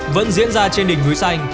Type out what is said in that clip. vẫn diễn ra trên đỉnh núi xanh